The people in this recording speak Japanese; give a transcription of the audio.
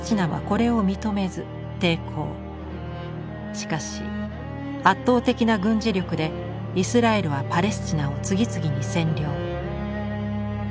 しかし圧倒的な軍事力でイスラエルはパレスチナを次々に占領。